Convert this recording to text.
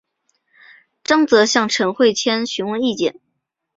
张则向陈惠谦询问意见。